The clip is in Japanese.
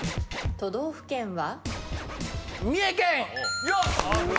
都道府県は？